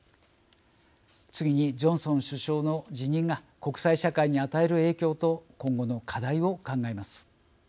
次にジョンソン首相の辞任が国際社会に与える影響と今後の課題を考えます。